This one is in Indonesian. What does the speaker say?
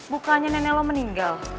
bukannya nenek lo meninggal